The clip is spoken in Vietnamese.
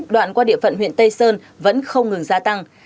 đoạn qua địa phận huyện tây sơn vẫn không ngừng gia tăng